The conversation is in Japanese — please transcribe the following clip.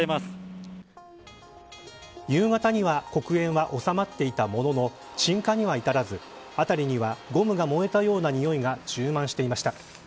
夕方には黒煙は収まっていたものの鎮火には至らず辺りにはゴムが燃えたようなにおいが充満していました。